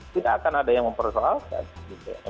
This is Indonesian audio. tidak akan ada yang mempersoalkan